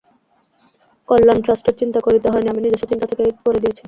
কল্যাণ ট্রাস্টের চিন্তা করতে হয়নি, আমি নিজস্ব চিন্তা থেকেই করে দিয়েছি।